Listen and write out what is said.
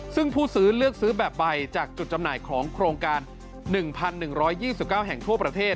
ซึ่งผู้ซื้อเลือกซื้อแบบใบจากจุดจำหน่ายของโครงการ๑๑๒๙แห่งทั่วประเทศ